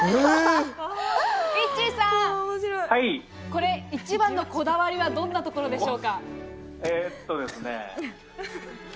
ｉｃｃｈｙさん、これ、一番のこだわりはどんなところでしょうか？